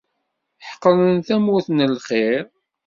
Ḥeqren tamurt n lxir.